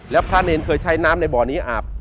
แล้วท่านเห็นเคยใช้น้ำในบ่อนี้อาบ